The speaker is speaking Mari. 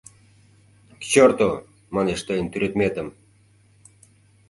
— К черту, манеш, тыйын тӱредметым!